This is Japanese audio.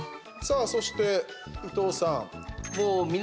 そして伊藤さん。